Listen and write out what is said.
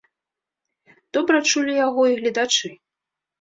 Добра чулі яго і гледачы.